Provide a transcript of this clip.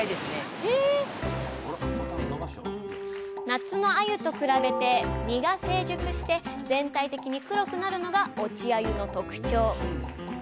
夏のあゆと比べて身が成熟して全体的に黒くなるのが落ちあゆの特徴！